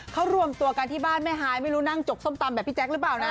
เขารวมตัวกันที่บ้านแม่ฮายไม่รู้นั่งจกส้มตำแบบพี่แจ๊คหรือเปล่านะ